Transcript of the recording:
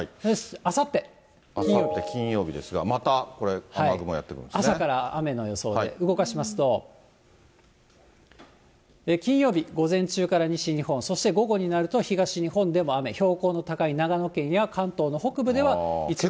あさって金曜日ですが、またこれ、朝から雨の予想で、動かしますと、金曜日、午前中から西日本、そして午後になると、東日本でも雨、標高の高い長野県や関東の北部では、一部。